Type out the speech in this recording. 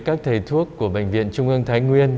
các thầy thuốc của bệnh viện trung ương thái nguyên